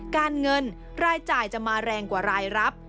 การเงินรายจ่ายจะมาแรงกว่ารายรับ